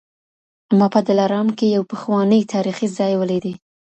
ما په دلارام کي یو پخوانی تاریخي ځای ولیدی